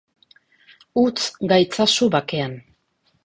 Utz gaitzazu bakean!